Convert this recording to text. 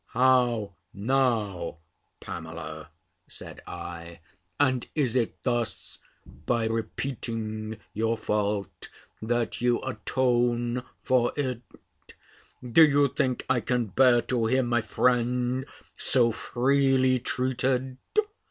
"How now, Pamela!" said I; "and is it thus, by repeating your fault, that you atone for it? Do you think I can bear to hear my friend so freely treated?"